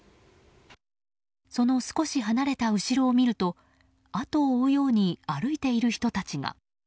その少し離れた後ろを見ると後を追うように歩いている人たちが。